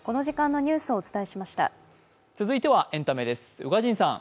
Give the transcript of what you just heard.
続いてはエンタメです。